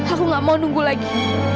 aku gak mau nunggu lagi